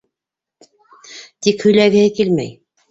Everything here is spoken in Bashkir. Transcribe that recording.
Тик һөйләгеһе килмәй.